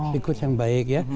tikus yang baik ya